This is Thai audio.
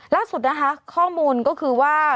ล่าสุดนะคะข้อมูลก็คือว่า